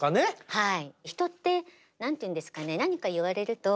はい。